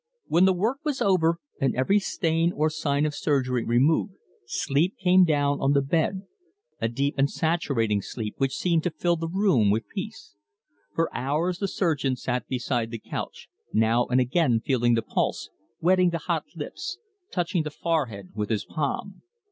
When the work was over, and every stain or sign of surgery removed, sleep came down on the bed a deep and saturating sleep, which seemed to fill the room with peace. For hours the surgeon sat beside the couch, now and again feeling the pulse, wetting the hot lips, touching the forehead with his palm.